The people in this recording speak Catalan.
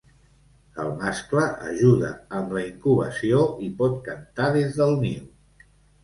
El mascle ajuda amb la incubació i pot cantar des del niu.